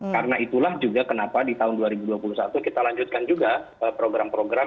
karena itulah juga kenapa di tahun dua ribu dua puluh satu kita lanjutkan juga program program